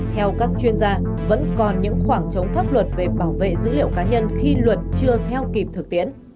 theo các chuyên gia vẫn còn những khoảng trống pháp luật về bảo vệ dữ liệu cá nhân khi luật chưa theo kịp thực tiễn